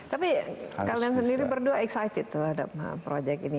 tapi kalian sendiri berdua excited terhadap proyek ini